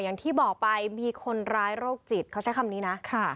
อย่างที่บอกไปมีคนร้ายโรคจิตเขาใช้คำนี้นะ